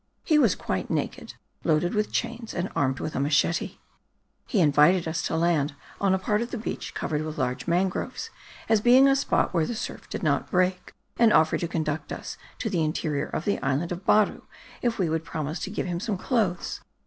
He was quite naked, loaded with chains, and armed with a machete. He invited us to land on a part of the beach covered with large mangroves, as being a spot where the surf did not break, and offered to conduct us to the interior of the island of Baru if we would promise to give him some clothes.